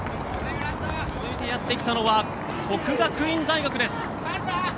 続いてやってきたのは國學院大學です。